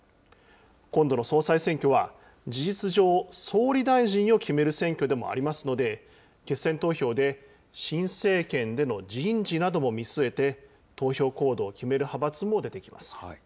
今度の総裁選挙は、事実上、総理大臣を決める選挙でもありますので、決選投票で、新政権での人事なども見据えて、投票行動を決める派閥も出ています。